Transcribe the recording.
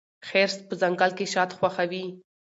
خرس په ځنګل کې شات خوښوي.